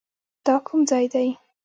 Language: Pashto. دا کوم ځای دی؟